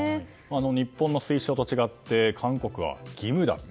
日本の推奨と違って韓国は義務だった。